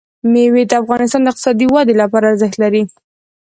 مېوې د افغانستان د اقتصادي ودې لپاره ارزښت لري.